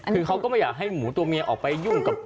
คือเขาก็ไม่อยากให้หมูตัวเมียออกไปยุ่งกับ